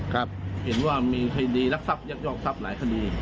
ครับเห็นว่ามีคดีรักทรัพยักยอกทรัพย์หลายคดี